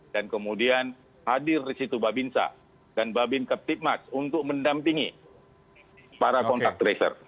dan kemudian hadir di situ babinsa dan babin keptikmas untuk mendampingi para kontak tracer